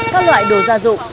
các loại đồ gia dụng